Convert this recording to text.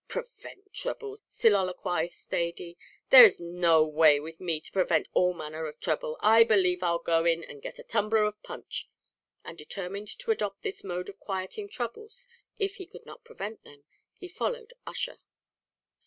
"Prevent throubles," soliloquised Thady; "there is no way with me to prevent all manner of throuble I believe I'll go in and get a tumbler of punch;" and determined to adopt this mode of quieting troubles, if he could not prevent them, he followed Ussher.